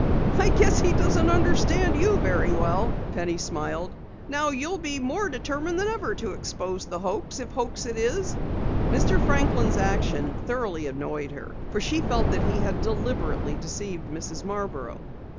"I guess he doesn't understand you very well," Penny smiled. "Now you'll be more determined than ever to expose the hoax if hoax it is." Mr. Franklin's action thoroughly annoyed her for she felt that he had deliberately deceived Mrs. Marborough.